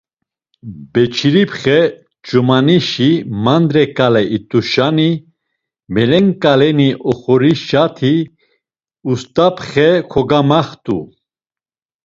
Beçiripxe ç̌umanişi mandre ǩale it̆uşani; melen ǩaleni oxorişati Ust̆apxe kogamaxt̆u.